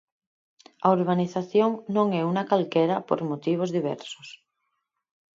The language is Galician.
A urbanización non é unha calquera por motivos diversos.